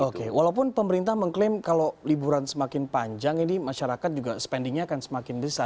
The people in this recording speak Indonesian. oke walaupun pemerintah mengklaim kalau liburan semakin panjang ini masyarakat juga spendingnya akan semakin besar